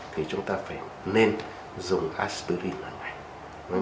thì chúng ta phải nên dùng asterin lần này